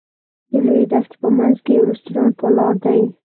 د لویې دښتې په منځ کې یو رسټورانټ ولاړ دی.